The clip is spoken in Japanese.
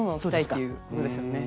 そういうことですよね。